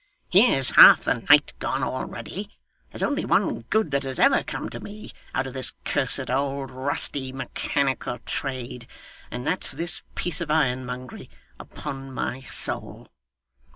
'Here's half the night gone already. There's only one good that has ever come to me, out of this cursed old rusty mechanical trade, and that's this piece of ironmongery, upon my soul!